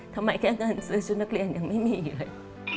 แค่เงินซื้อชุดนักเรียนยังไม่มีอยู่เลย